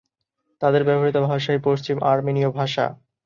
তাদের ব্যবহৃত ভাষাই পশ্চিম আর্মেনীয় ভাষা।